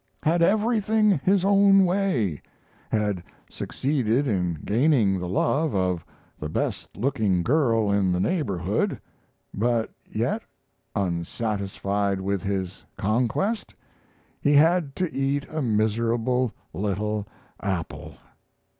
Had everything his own way; had succeeded in gaining the love of the best looking girl in the neighborhood, but yet, unsatisfied with his conquest, he had to eat a miserable little apple.